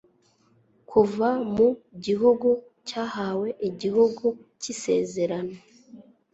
kuva mu gihugu cyahawe igihugu cy'isezerano